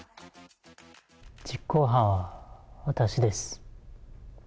実行犯は私です。